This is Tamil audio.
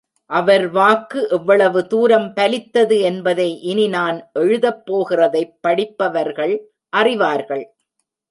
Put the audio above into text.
அவர் வாக்கு எவ்வளவு தூரம் பலித்தது என்பதை இனி நான் எழுதப் போகிறதைப் படிப்பவர்கள் அறிவார்கள்.